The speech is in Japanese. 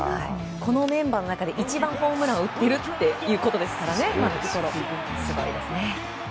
このメンバーの中で今のところ一番ホームランを打ってるということですからすごいですね。